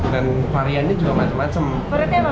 dan variannya juga macam macam